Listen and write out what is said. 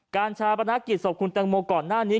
การชาปนาหรกิจหรือสบคุณแตงโมก่อนหน้านี้